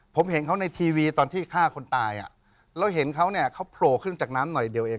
ผมเห็นเขาในทีวีตอนที่ฆ่าคนตายอ่ะแล้วเห็นเขาเนี่ยเขาโผล่ขึ้นจากน้ำหน่อยเดียวเอง